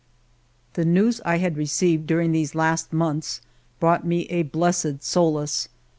The news I had received during these last months brought me a blessed solace.